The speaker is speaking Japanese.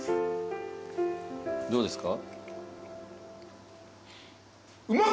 どうですか？